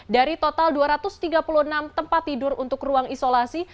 dari total dua ratus tiga puluh enam tempat tidur untuk ruang isolasi